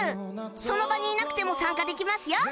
その場にいなくても参加できますよ